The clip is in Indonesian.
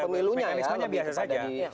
mekanismenya biasa saja